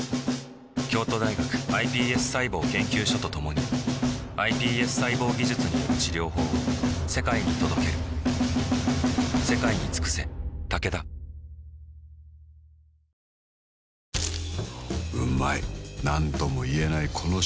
京都大学ｉＰＳ細胞研究所と共にｉＰＳ細胞技術による治療法を世界に届ける７０歳以上限定カラオケ！